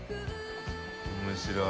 面白い。